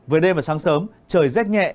với đêm và sáng sớm trời rét nhẹ